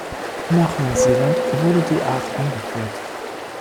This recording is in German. Nach Neuseeland wurde die Art eingeführt.